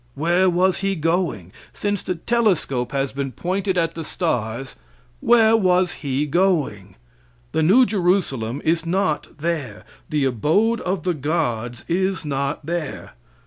Where was He going? Since the telescope has been pointed at the stars, where was He going? The New Jerusalem is not there. The abode of the gods is not there.